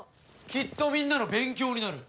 きっとみんなの勉強になる。